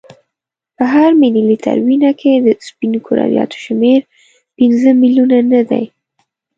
په هر ملي لیتر وینه کې د سپینو کرویاتو شمیر پنځه میلیونه نه دی.